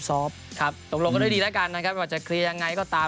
ครับตกลงกันด้วยดีแล้วกันนะครับว่าจะเคลียร์ยังไงก็ตาม